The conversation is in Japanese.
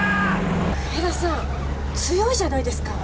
上田さん強いじゃないですか。